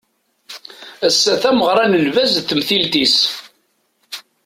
Ass-a d tameɣra n lbaz d temtilt-is